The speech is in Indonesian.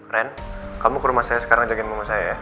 ren kamu ke rumah saya sekarang ajakin mama saya